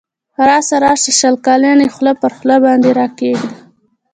راسه راسه شل کلنی خوله پر خوله باندی را کښېږده